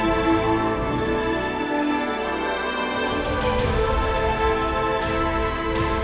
pilih untuk arc activating